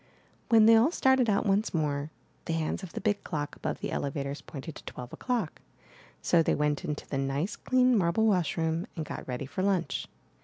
When they all started out once more, the hands of the big clock above the elevators pointed to twelve o'clock; so they went into the nice, clean, marble wash room and got ready for lunch.